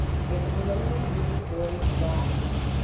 if it will only bring the boys back!